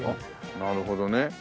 なるほどね。